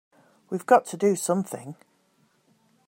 We've got to do something!